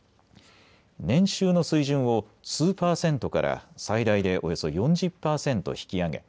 年収の水準を数％から最大でおよそ４０％引き上げ